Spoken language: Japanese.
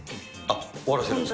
終わらせるんですか。